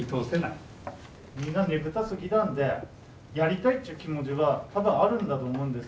みんなねぶた好きなんでやりたいっていう気持ちは多分あるんだと思うんです。